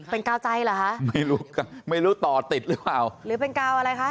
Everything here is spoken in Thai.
เป็นกาวใจเหรอคะไม่รู้กับไม่รู้ตอติดหรือเป็นกาวอะไรคะ